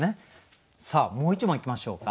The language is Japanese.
さあもう一問いきましょうか。